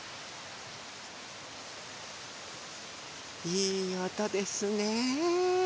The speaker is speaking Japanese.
いいおとですね。